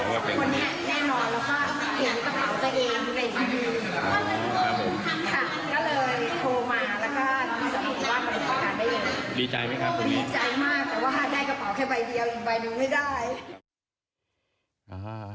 อ้าหะ